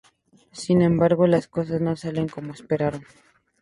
Sin embargo, las cosas no salen como esperaron.